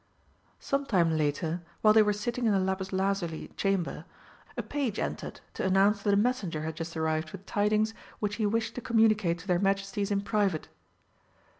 Some time later, while they were sitting in the lapis lazuli Chamber, a page entered to announce that a messenger had just arrived with tidings which he wished to communicate to their Majesties in private.